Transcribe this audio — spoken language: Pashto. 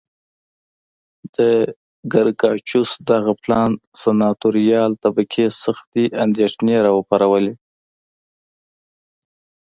د ګراکچوس دغه پلان سناتوریال طبقې سختې اندېښنې را وپارولې